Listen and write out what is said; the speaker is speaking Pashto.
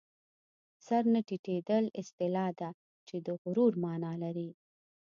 سر نه ټیټېدل اصطلاح ده چې د غرور مانا لري